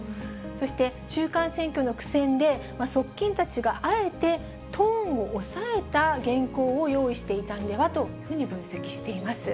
そして、中間選挙の苦戦で、側近たちがあえてトーンを抑えたげんこうをよういしていたんではと分析しています。